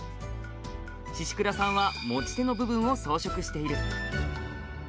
宍倉さんは、持ち手の部分を装飾している。